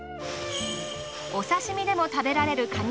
お刺身でも食べられるカニ